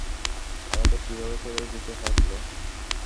আমাদের কীভাবে ছেড়ে যেতে পারলে?